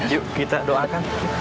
yuk kita doakan